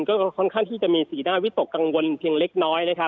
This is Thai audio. ก็ค่อนข้างที่จะมีสีหน้าวิตกกังวลเพียงเล็กน้อยนะครับ